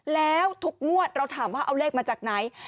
แล้วทุกงวดเราถามว่าเอาเลขมาจากไหน